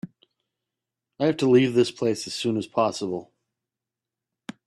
I have to leave this place as soon as possible.